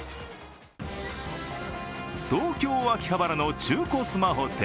東京・秋葉原の中古スマホ店。